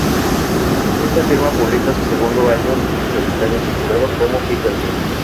Bajo esta firma publica su segundo álbum en solitario titulado "Cómo pica el sol".